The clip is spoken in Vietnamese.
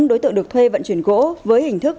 năm đối tượng được thuê vận chuyển gỗ với hình thức